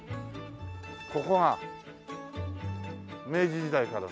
ここが明治時代からの。